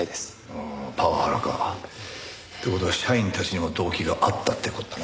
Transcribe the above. ああパワハラか。って事は社員たちにも動機があったって事だな。